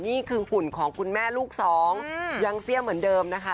หุ่นของคุณแม่ลูกสองยังเสี้ยเหมือนเดิมนะคะ